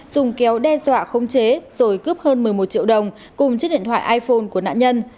dùng kéo đe dọa khống chế rồi cướp hơn một mươi một triệu đồng cùng chiếc điện thoại iphone của nạn nhân